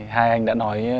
hai anh đã nói